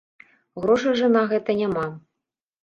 Грошай жа на гэта няма.